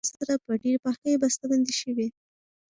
دا د غوښې ډول په نړیوالو معیارونو سره په ډېرې پاکۍ بسته بندي شوی.